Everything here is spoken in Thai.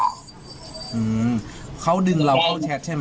อืมเขาดึงเราเข้าแชทใช่ไหม